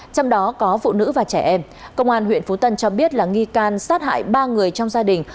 trong đó có phụ nữ và trẻ em công an huyện phú tân cho biết là nghi can sát hại ba người trong gia đình